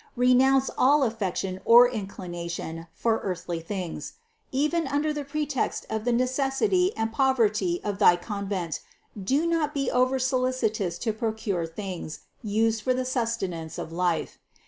Re nounce all affection or inclination for earthly things ; even under the pretext of the necessity and poverty of thy con vent do not be oversolicitous to procure the things used for the sustenance of life.